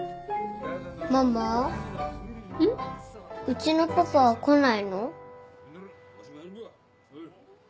うちのパパは来ないの？